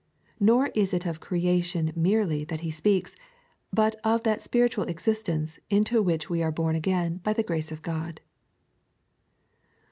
Nor is it of creation merely that he speaks, but of that spiritual existence, into which we are born again by the grace of God.